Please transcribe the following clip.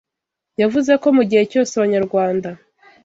Yavuze ko mu gihe cyose abanyarwanda